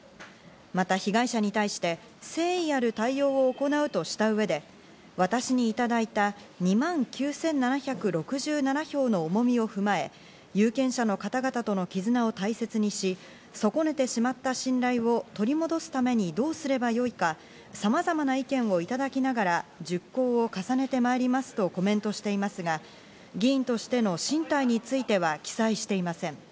また被害者に対して誠意ある対応を行うとした上で私にいただいた２万９７６７票の重みを踏まえ、有権者の方々との絆を大切にし、損ねてしまった信頼を取り戻すためにどうすればよいか、さまざまな意見をいただきながら熟考を重ねてまいりますとコメントしていますが、議員としての進退については記載していません。